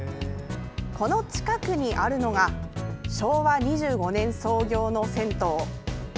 この近くにあるのが昭和２５年創業の銭湯。